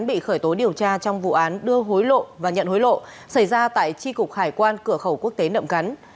bị khởi tố điều tra trong vụ án đưa hối lộ và nhận hối lộ xảy ra tại tri cục hải quan cửa khẩu quốc tế nậm cắn